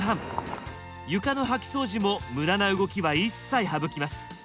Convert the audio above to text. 床の掃き掃除も無駄な動きは一切省きます。